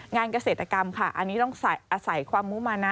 งานเกษตรกรรมค่ะอันนี้ต้องอาศัยความมุมานะ